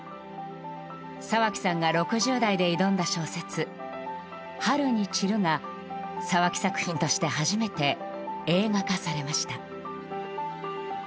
沢木さんが６０代で挑んだ小説「春に散る」が沢木作品として初めて映画化されました。